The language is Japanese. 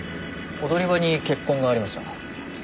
踊り場に血痕がありました。